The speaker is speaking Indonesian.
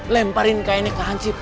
lemparin kayanya ke han sip